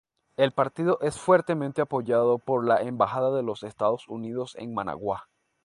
El partido es fuertemente apoyado por la embajada de los Estados Unidos en Managua.